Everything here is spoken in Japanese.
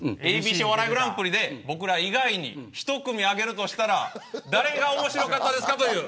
ＡＢＣお笑いグランプリで僕ら以外に１組挙げるとしたら誰が面白かったですかという。